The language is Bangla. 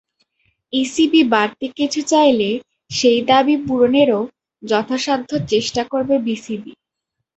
ইসিবি বাড়তি কিছু চাইলে সেই দাবি পূরণেরও যথাসাধ্য চেষ্টা করবে বিসিবি।